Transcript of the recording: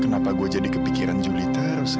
kenapa gue jadi kepikiran julie terus ya